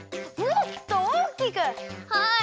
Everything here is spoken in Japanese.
はい！